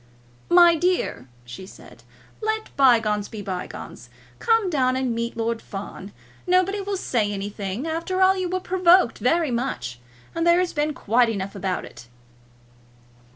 "My dear," she said, "let bygones be bygones. Come down and meet Lord Fawn. Nobody will say anything. After all, you were provoked very much, and there has been quite enough about it."